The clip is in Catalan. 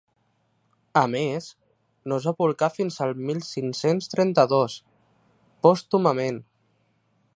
A més, no es va publicar fins al mil cinc-cents trenta-dos, pòstumament.